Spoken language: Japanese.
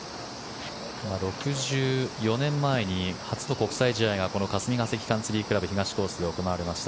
６４年前に初の国際試合がこの霞ヶ関カンツリー倶楽部東コースで行われました。